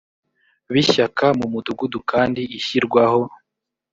b ishyaka mu mudugudu kandi ishyirwaho